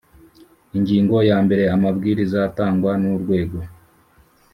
Ingingo ya mbere Amabwiriza atangwa n Urwego